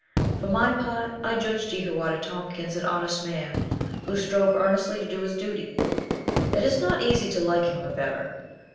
For my part, I judge Jehoiada Tompkins an hon est man who strove earnestly to do his duty. It is not easy to like him the better.